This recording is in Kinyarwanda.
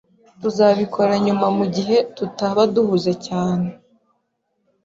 Tuzabikora nyuma mugihe tutaba duhuze cyane